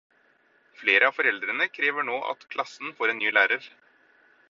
Flere av foreldrene krever nå at klassen får en ny lærer.